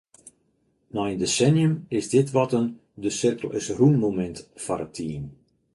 Nei in desennium is dit wat in ‘de-sirkel-is-rûnmomint’ foar it team.